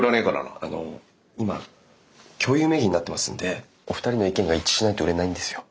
あの今共有名義になってますんでお二人の意見が一致しないと売れないんですよ。